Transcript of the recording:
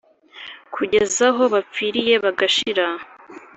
kugeza aho bapfiriye bagashira. “